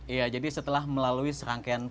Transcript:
iya jadi setelah melalui serangkaian